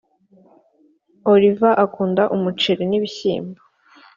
oliva akunda umuceri n'ibishimbo